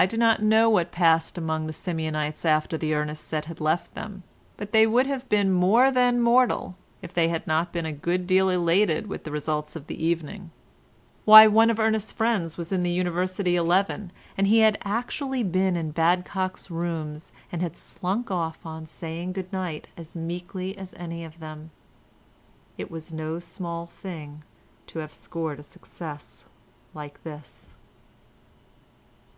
I do not know what passed among the Simeonites after the Ernest set had left them, but they would have been more than mortal if they had not been a good deal elated with the results of the evening. Why, one of Ernest's friends was in the University eleven, and he had actually been in Badcock's rooms and had slunk off on saying good night as meekly as any of them. It was no small thing to have scored a success like this.